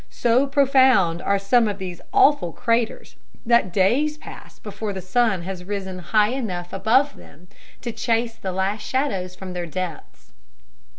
So profound are some of these awful craters that days pass before the sun has risen high enough above them to chase the last shadows from their depths.